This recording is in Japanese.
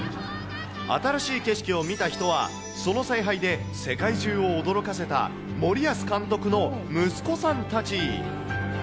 新しい景色を見た人は、その采配で世界中を驚かせた森保監督の息子さんたち。